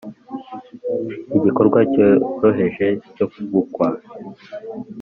igikorwa cyoroheje cyo gukwa